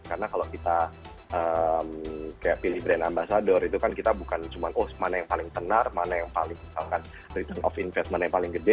karena kalau kita kayak pilih brand ambasador itu kan kita bukan cuma oh mana yang paling tenar mana yang paling misalkan return of investment yang paling gede